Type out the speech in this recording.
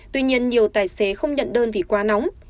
tuy nhiên nhiều tài xế không nhận đơn vì quá nóng